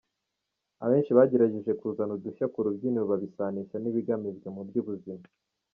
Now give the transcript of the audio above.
Abenshi bagerageje kuzana udushya ku rubyiniro babisanisha n’ibigamijwe mu by’ubuzima.